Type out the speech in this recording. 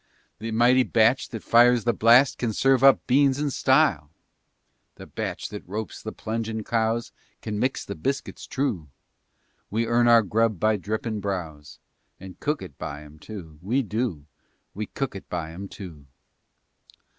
The mighty bach' that fires the blast Kin serve up beans in style. The bach' that ropes the plungin' cows Kin mix the biscuits true We earn our grub by drippin' brows And cook it by 'em too, We do, We cook it by 'em too.